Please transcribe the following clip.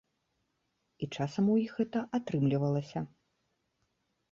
І часам у іх гэта атрымлівалася.